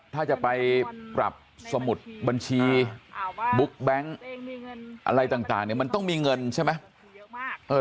ถ้าจะไปปรับสมุดบัญชีบุ๊กแบงค์อะไรต่างเนี่ยมันต้องมีเงินใช่ไหม